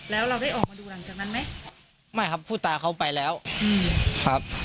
แล้วเราได้ออกมาดูหลังจากนั้นไหมไม่ครับผู้ตายเขาไปแล้วอืมครับ